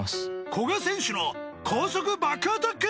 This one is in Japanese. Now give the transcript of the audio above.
古賀選手の高速バックアタック！